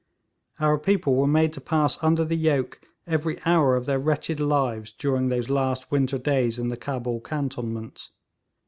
Our people were made to pass under the yoke every hour of their wretched lives during those last winter days in the Cabul cantonments.